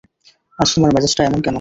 আজ তোমার মেজাজটা এমন কেন।